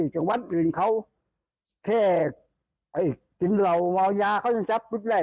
จากวัดอื่นเขาเครตินเหล่าเว้อน้อยาเขายังจัดการไม่ได้